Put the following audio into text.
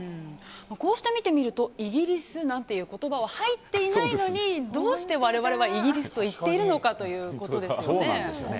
こうして見てみるとイギリスなんていう言葉は入っていないのにどうして我々はイギリスと言っているのかということですよね。